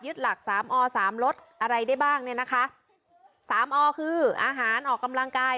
หลักสามอสามลดอะไรได้บ้างเนี่ยนะคะสามอคืออาหารออกกำลังกาย